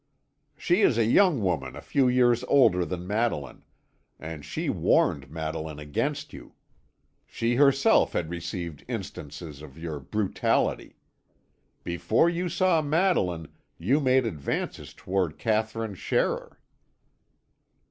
"She is a young woman a few years older than Madeline, and she warned Madeline against you. She herself had received instances of your brutality. Before you saw Madeline you made advances towards Katherine Scherrer."